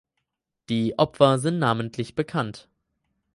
Die Opfer sind namentlich bekannt.